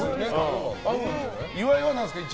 岩井は何ですか？